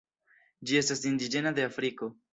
Ĝi estas indiĝena de Afriko.